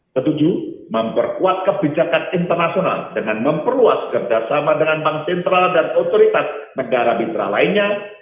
ketujuh memperkuat kebijakan internasional dengan memperluas kerjasama dengan bank sentral dan otoritas negara mitra lainnya